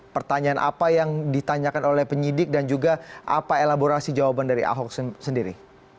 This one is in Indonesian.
pertanyaan apa yang ditanyakan oleh penyidik dan juga apa elaborasi jawaban dari ahok sendiri